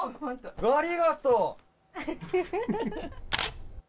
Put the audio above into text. ありがとう。